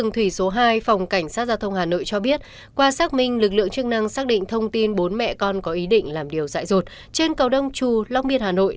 tuy nhiên trong quá trình điều tra xác minh lực lượng chức năng xác định bốn mẹ con tự vẫn trên cầu đông chù long biên hà nội